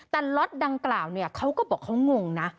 แต่ล็อตดังกล่าวเนี่ยเขาก็บอกเขางงนะ